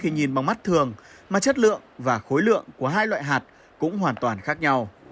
nhìn bằng mắt thường mà chất lượng và khối lượng của hai loại hạt cũng hoàn toàn khác nhau